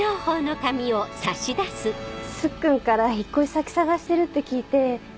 スッくんから引っ越し先探してるって聞いて。